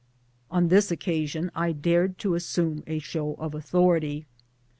On this occasion I dared to assume a show of authority.